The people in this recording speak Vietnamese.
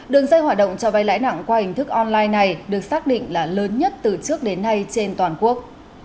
đường dây hoạt động cho vay lãi nặng qua hình thức online này được xác định là lớn nhất từ trước đến nay trên toàn quốc